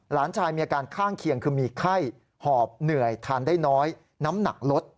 หลานชายมีอาการข้างเคียงคือมีไข้หอบเหนื่อยทานได้น้อยน้ำหนักลด